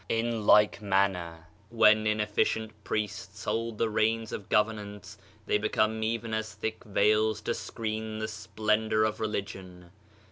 In like manner when inefficient priests hold the reins of governance, they become even as thick veils to screen the splendor of religion.